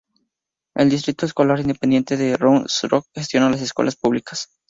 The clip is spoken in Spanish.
El Distrito Escolar Independiente de Round Rock gestiona las escuelas públicas.